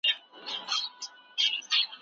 د ناروغ په لاسونو کې لړزه د مسمومیت نښه ده.